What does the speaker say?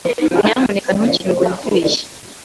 Nyamuneka ntukingure idirishya.